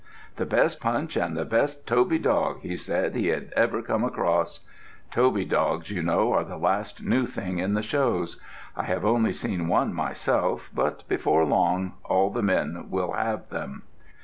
The best Punch and the best Toby dog, he said, he had ever come across. Toby dogs, you know, are the last new thing in the shows. I have only seen one myself, but before long all the men will have them.